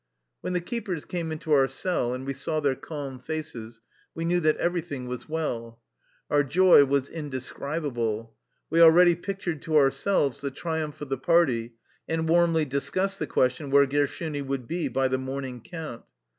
When the keepers came into our cell and we saw their calm faces we knew that everything was well. Our joy was indescribable. We al ready pictured to ourselves the triumph of the Party, and warmly discussed the question where Gershuni would be by the morning count.